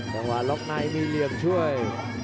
บางวันล็อกนายมีเหลี่ยมช่วย